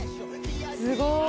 すごーい。